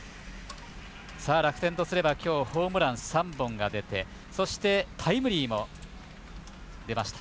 楽天とすれば今日ホームラン３本出てそして、タイムリーも出ました。